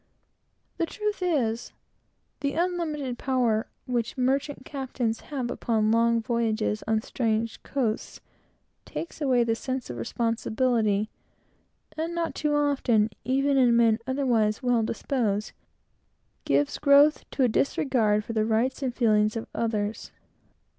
The truth is, the unlimited power which merchant captains have, upon long voyages on strange coasts, takes away a sense of responsibility, and too often, even in men otherwise well disposed, substitutes a disregard for the rights and feelings of others.